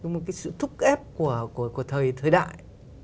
một cái sự thúc ép của thời đại